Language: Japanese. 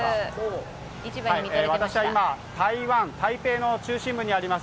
私は今、台湾・台北の中心部にあります